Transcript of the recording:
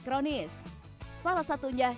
kronis salah satunya